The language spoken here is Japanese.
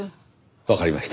わかりました。